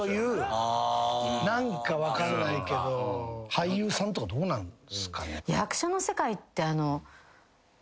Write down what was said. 俳優さんとかどうなんですかね？